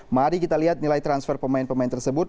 mari kita lihat nilai transfer pemain pemain tersebut